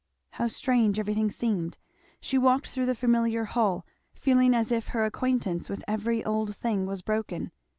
How strange everything seemed. She walked through the familiar hall, feeling as if her acquaintance with every old thing was broken.